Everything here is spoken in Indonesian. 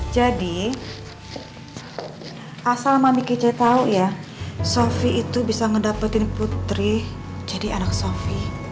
jadi asal mami kece tau ya sofi itu bisa ngedapetin putri jadi anak sofi